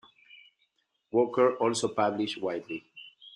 Walker also published widely.